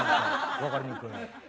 分かりにくい。